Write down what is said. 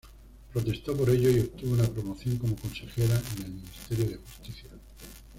Protestó por ello y obtuvo una promoción como consejera en el ministerio de Justicia.